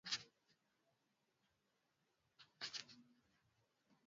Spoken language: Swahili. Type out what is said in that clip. Katiba Rais anaongoza serikali na kazi yake Katika mambo